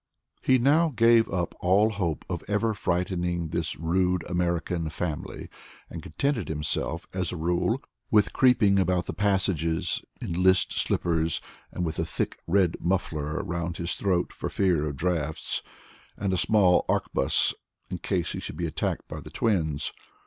He now gave up all hope of ever frightening this rude American family, and contented himself, as a rule, with creeping about the passages in list slippers, with a thick red muffler round his throat for fear of draughts, and a small arquebus, in case he should be attacked by the twins.